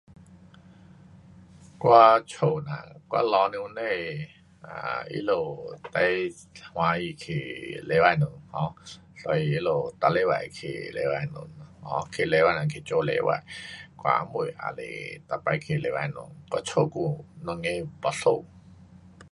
我家人我父母他们最喜欢去教堂所以他们每个星期天都去教堂去教堂做星期我的妹妹也每次去教堂我家有两个牧师